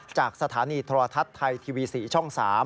จากสถานีโทรทัศน์ไทยทีวี๔ช่อง๓